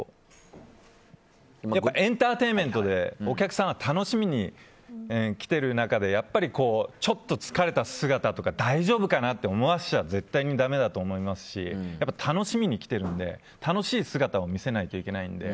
やっぱりエンターテインメントでお客さんが楽しみに来ている中でちょっと疲れた姿とか大丈夫かなって思わせちゃ絶対にだめだと思いますし楽しみに来ているんで楽しい姿を見せないといけないんで。